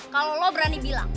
kalau lo berani bilang